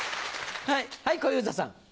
はい小遊三さん。